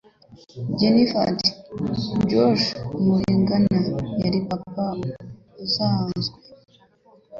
Jennifer ati: "Josh Mulligan yari papa usanzwe."